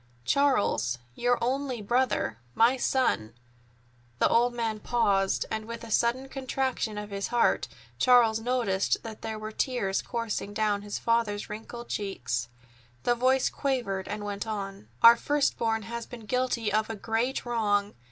Charles, your only brother, my son——" The old man paused, and with a sudden contraction of his heart Charles noticed that there were tears coursing down his father's wrinkled cheeks. The voice quavered and went on: "Our first born has been guilty of a great wrong.